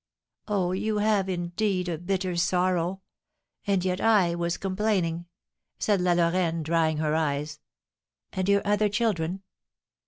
"Oh, you have, indeed, a bitter sorrow; and yet I was complaining!" said La Lorraine, drying her eyes. "And your other children?"